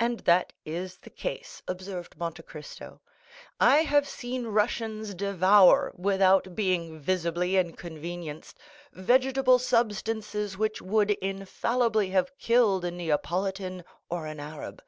"And that is the case," observed Monte Cristo. "I have seen Russians devour, without being visibly inconvenienced, vegetable substances which would infallibly have killed a Neapolitan or an Arab."